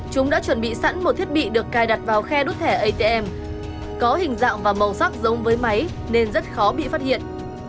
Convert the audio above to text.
chúng đã chuẩn bị sẵn một thiết bị được cài đặt vào khe đốt thẻ atm có hình dạng và màu sắc giống với máy nên rất khó bị phát hiện